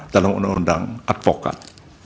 dalam undang undang advokat